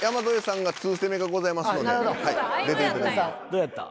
どうやった？